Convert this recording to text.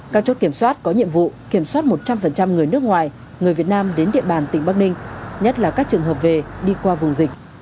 các chốt kiểm soát có nhiệm vụ kiểm soát một trăm linh người nước ngoài người việt nam đến địa bàn tỉnh bắc ninh nhất là các trường hợp về đi qua vùng dịch